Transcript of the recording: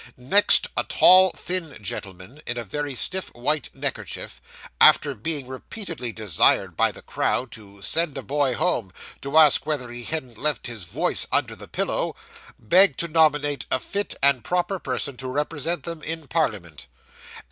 Next, a tall, thin gentleman, in a very stiff white neckerchief, after being repeatedly desired by the crowd to 'send a boy home, to ask whether he hadn't left his voice under the pillow,' begged to nominate a fit and proper person to represent them in Parliament.